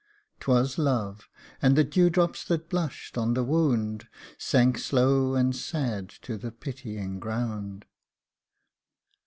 'Twas Love! and the dew drops that blushed on the wound Sank slow and sad to the pitying ground.